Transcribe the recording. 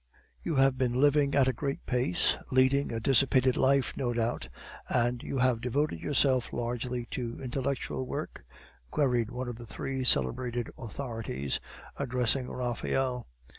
"You have been living at a great pace, leading a dissipated life, no doubt, and you have devoted yourself largely to intellectual work?" queried one of the three celebrated authorities, addressing Raphael.